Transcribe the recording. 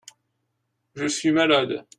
Je suis malade.